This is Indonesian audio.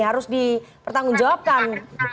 harus dipertanggung jawabkan